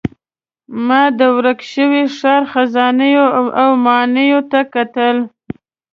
ما د ورک شوي ښار خزانو او ماڼیو ته کتل.